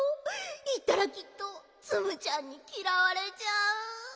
いったらきっとツムちゃんにきらわれちゃう。